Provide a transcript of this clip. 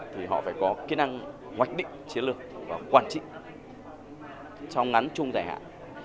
thì họ phải có kỹ năng hoạch định chiến lược và quản trị trong ngắn chung giải hạn